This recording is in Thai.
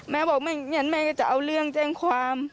แม่บอกไม่งั้นแม่ก็จะเอาเรื่องแจ้งความ